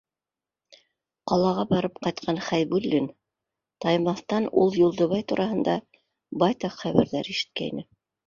Ҡалаға барып ҡайтҡан Хәйбуллин Таймаҫтан ул Юлдыбай тураһында байтаҡ хәбәрҙәр ишеткәйне.